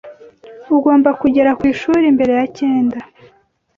Ugomba kugera ku ishuri mbere ya cyenda.